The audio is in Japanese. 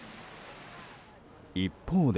一方で。